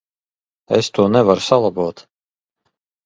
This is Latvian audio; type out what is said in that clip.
Es to nevaru salabot.